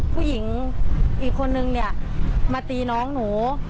ผู้หญิงอีกคนนึงเนี่ยมาตีน้องหนู